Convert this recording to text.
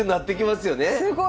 すごい！